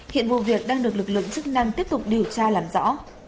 hiện vụ việc đang được lực lượng chức năng tiếp tục điều tra làm rõ